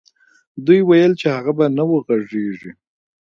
دوی ويل چې هغه به نه وغږېږي.